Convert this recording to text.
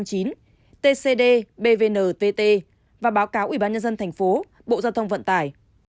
của bgtvt và báo cáo ủy ban nhân dân thành phố bộ giao thông vận tải